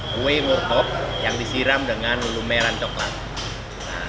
kue motok yang disiram dengan melumeran coklat